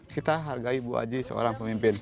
kita hargai ibu wajih seorang pemimpin